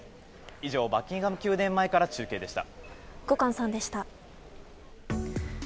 以上、バッキンガム宮殿前から中継でした。